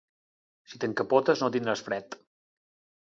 Si t'encapotes no tindràs fred.